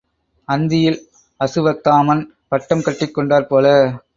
அந்தியில் அசுவத்தாமன் பட்டம் கட்டிக் கொண்டாற் போல.